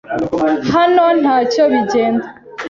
Hano ntacyo bigenda.